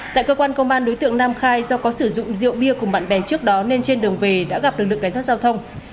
tại cơ quan công an đối tượng nam khai do có sử dụng rượu bia cùng bạn bè trước đó nên trên đường về đã gặp lực lượng cảnh sát giao thông